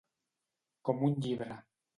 Com un llibre.